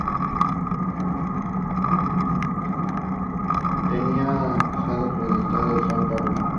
Bill George was the team captain.